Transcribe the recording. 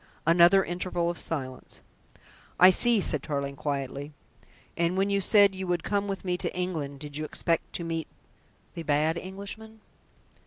Another interval of silence. "I see," said Tarling quietly. "And when you said you would come with me to England, did you expect to meet the bad Englishman?"